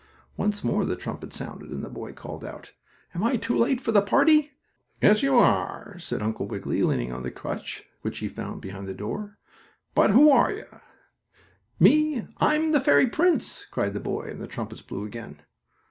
Once more the trumpet sounded, and the boy called out: "Am I too late for the party?" "Yes, you are," said Uncle Wiggily, leaning on his crutch, which he found behind the door. "But who are you?" "Me? I am the fairy prince!" cried the boy, and the trumpets blew again.